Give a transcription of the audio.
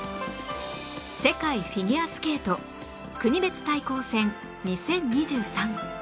世界フィギュアスケート国別対抗戦２０２３